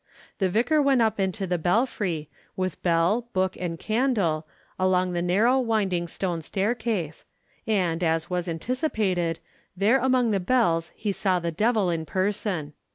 The vicar went up into the belfry, with bell, book, and candle, along the narrow winding stone staircase, and, as was anticipated, there among the bells he saw the devil in person.